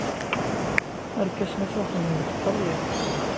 Irkasen-a ttwaxdamen deg Ṭṭalyan.